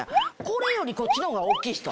これよりこっちが大きい人。